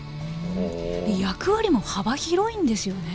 役割も幅広いんですよね？